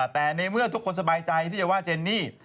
แต่ในเมื่อทุกคนสบายใจที่จะว่าเจนนี่